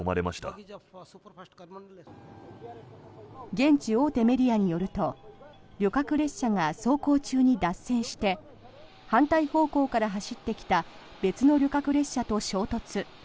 現地大手メディアによると旅客列車が走行中に脱線して反対方向から走ってきた別の旅客列車と衝突。